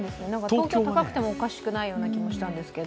東京高くてもおかしくないような気がしたんですけど。